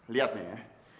lihat nih ya